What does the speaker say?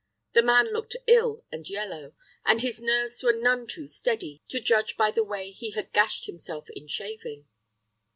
The man looked ill and yellow, and his nerves were none too steady, to judge by the way he had gashed himself in shaving.